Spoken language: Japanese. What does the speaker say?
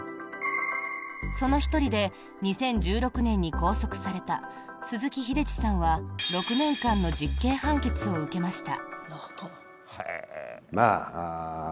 その１人で２０１６年に拘束された鈴木英司さんは６年間の実刑判決を受けました。